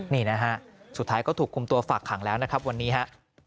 นี่นะฮะสุดท้ายก็ถูกคุมตัวฝากขังแล้วนะครับวันนี้ฮะ